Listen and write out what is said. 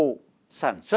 sản xuất đồ chơi